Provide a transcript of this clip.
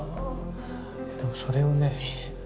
でもそれをね